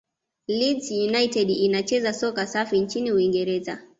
leeds united inacheza soka safi nchini uingereza